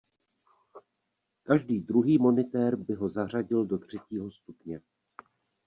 Každý druhý monitér by ho zařadil do třetího stupně.